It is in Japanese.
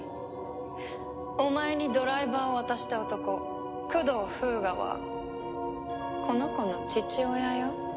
お前にドライバーを渡した男九堂風雅はこの子の父親よ。